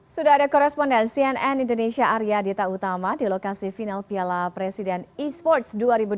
sudah ada koresponden cnn indonesia arya dita utama di lokasi final piala presiden e sports dua ribu dua puluh